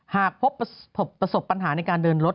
หากพบประสบปัญหาในการเดินรถ